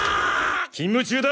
勤務中だ！